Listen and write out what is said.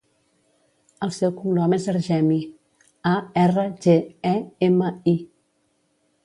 El seu cognom és Argemi: a, erra, ge, e, ema, i.